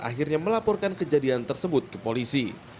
akhirnya melaporkan kejadian tersebut ke polisi